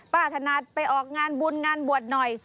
ถนัดไปออกงานบุญงานบวชหน่อย